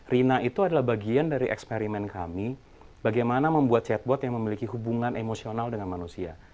rina itu adalah bagian dari eksperimen kami bagaimana membuat chatbot yang memiliki hubungan emosional dengan manusia